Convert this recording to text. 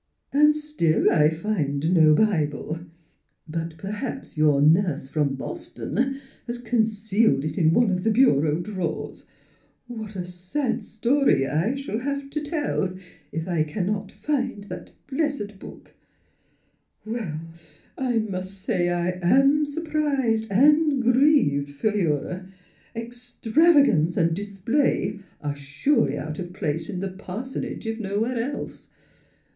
... An' still I find no Bi ble. ... But perhaps your nurse from Bos ton has concealed it in one of th' bureau drawers. ... What a sad story I shall have t' tell if I cannot find that b lessed book Well, I mus' say I am sur prised an' grieved, Phi lura. Ex travagance an' display are surely out of place in th' pars'nage if nowhere else.